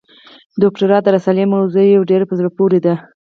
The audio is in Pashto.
د دوکتورا د رسالې موضوع یې ډېره په زړه پورې ده.